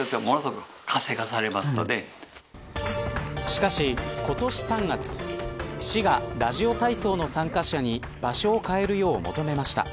しかし今年３月市がラジオ体操の参加者に場所をかえるよう求めました。